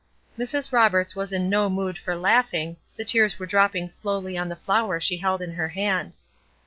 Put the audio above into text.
Mrs. Roberts was in no mood for laughing, the tears were dropping slowly on the flower she held in her hand.